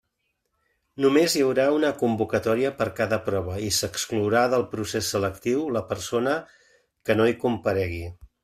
Només hi haurà una convocatòria per cada prova i s'exclourà del procés selectiu la persona que no hi comparegui.